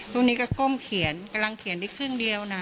พวกนี้ก็ก้มเขียนกำลังเขียนได้ครึ่งเดียวนะ